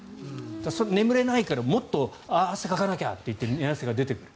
眠れないからもっと汗をかかなきゃって寝汗が出てくる。